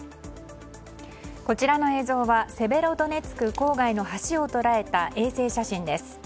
こちらの映像はセベロドネツク郊外の橋を捉えた衛星写真です。